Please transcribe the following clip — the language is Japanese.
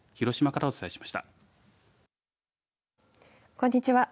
こんにちは。